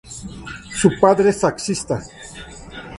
Su padre es taxista.